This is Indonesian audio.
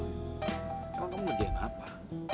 kalau kamu ngerjain apa